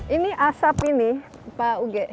ini asap ini pak uge